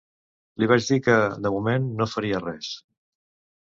Li vaig dir que, de moment, no faria res.